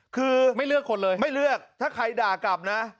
คือไม่เลือกคนเลยไม่เลือกถ้าใครด่ากลับนะ